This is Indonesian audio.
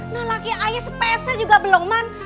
nah laki ae sepesa juga belum man